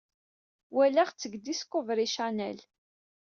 Walaɣ-tt deg Discovery Channel.